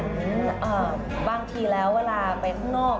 แต่เหมือนบางทีแล้วเวลาไปข้างนอก